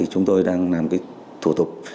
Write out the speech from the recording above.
chúng tôi đang làm thủ tục